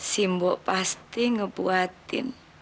si mbok pasti ngebuatin